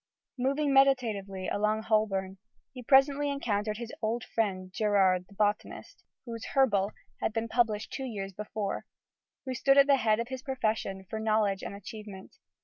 ] Moving meditatively along Holborn, he presently encountered his old friend Gerard the botanist, whose Herball had been published two years before, who stood at the head of his profession for knowledge and achievement.